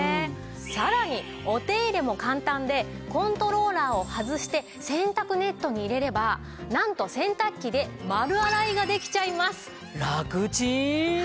さらにお手入れも簡単でコントローラーを外して洗濯ネットに入れればなんと洗濯機で丸洗いができちゃいます！